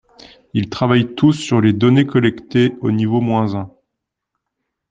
Ils travaillent tous sur les données collectées au niveau moins un.